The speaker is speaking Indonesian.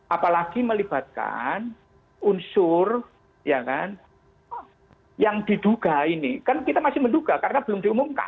apalagi melibatkan unsur ya kan yang diduga ini kan kita masih menduga karena belum diumumkan